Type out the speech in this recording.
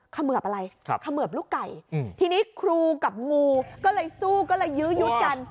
เขมือบอะไรเขมือบลูกไก่ทีนี้ครูกับงูก็เลยสู้ก็เลยยื้อยุดกัน